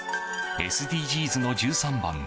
ＳＤＧｓの１３番